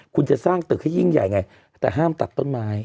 คุณจะสร้างตึกให้ยิ่งใหญ่ไงแต่ห้ามตัดต้นไม้